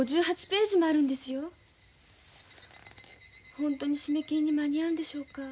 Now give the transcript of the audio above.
本当に締め切りに間に合うんでしょうか。